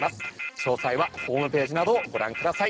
詳細はホームページなどをご覧ください。